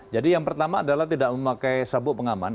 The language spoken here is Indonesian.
jadi yang pertama adalah tidak memakai sabuk pengaman